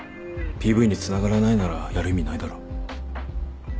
ＰＶにつながらないならやる意味ないだろ。